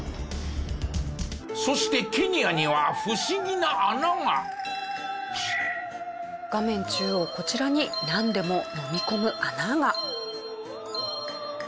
そしてケニアには画面中央こちらになんでものみ込む穴が。